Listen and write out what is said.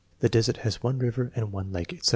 "The desert has one river and one lake," etc.